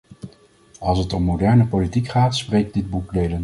Als het om moderne politiek gaat, spreekt dit boekdelen.